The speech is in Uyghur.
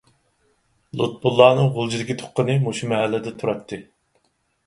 لۇتپۇللانىڭ غۇلجىدىكى تۇغقىنى مۇشۇ مەھەللىدە تۇراتتى.